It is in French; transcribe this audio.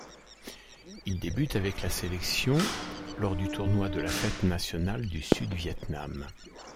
Il débute avec la sélection lors du tournoi de la fête nationale du Sud-Vietnam.